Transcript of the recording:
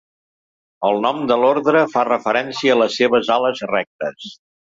El nom de l'ordre fa referència a les seves ales rectes.